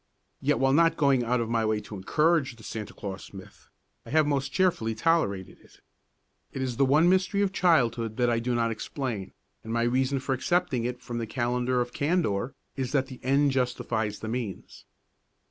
Yet, while not going out of my way to encourage the Santa Claus myth, I have most cheerfully tolerated it. It is the one mystery of childhood that I do not explain, and my reason for excepting it from the calendar of candour is that the end justifies the means.